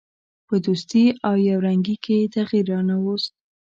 په دوستي او یو رنګي کې یې تغییر را نه ووست.